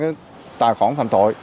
với tài khoản phạm